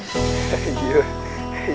itu yang bikin aku pusing